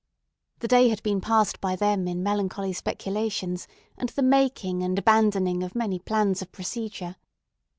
The day had been passed by them in melancholy speculations and the making and abandoning of many plans of procedure.